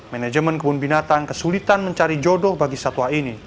manajemen kebun binatang kesulitan mencari jodoh bagi satwa ini